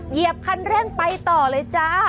เหยียบคันเร่งไปต่อเลยจ้า